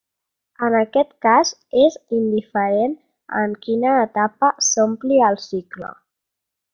En aquest cas és indiferent en quina etapa s'ompli el cicle.